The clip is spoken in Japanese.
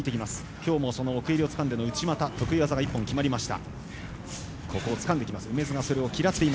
今日も奥襟をつかんでの内股得意技が一本、決まりました。